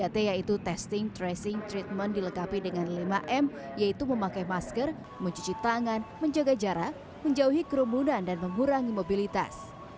tiga t yaitu testing tracing treatment dilengkapi dengan lima m yaitu memakai masker mencuci tangan menjaga jarak menjauhi kerumunan dan mengurangi mobilitas